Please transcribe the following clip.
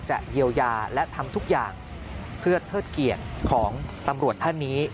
จะเยียวยาและทำทุกอย่างเพื่อเทิดเกียรติของตำรวจท่านนี้